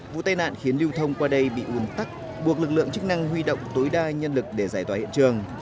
vụ tai nạn khiến lưu thông qua đây bị uống tắt buộc lực lượng chức năng huy động tối đa nhân lực để giải thoát hiện trường